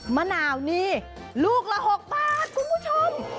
มะนาวนี่ลูกละ๖บาทคุณผู้ชม